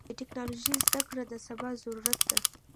د ټکنالوژۍ زدهکړه د سبا ضرورت ده.